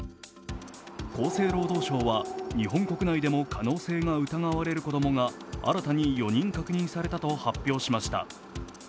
厚生労働省は日本国内でも可能性が疑われる子供が新たに４人確認されたと発表しました。